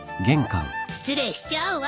失礼しちゃうわ。